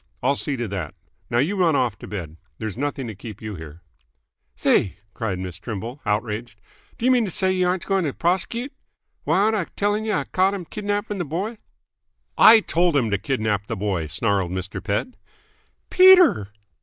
I'll see to that. Now you run off to bed. There's nothing to keep you here." "Say!" cried Miss Trimble, outraged. "D'ya mean t' say y' aren't going t' pros'cute? Why, aren't I tell'ng y' I caught h'm kidnapping th' boy?" "I told him to kidnap the boy!" snarled Mr. Pett. "Peter!"